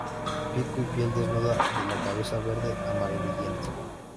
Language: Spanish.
Pico y piel desnuda de la cabeza, verde amarillento.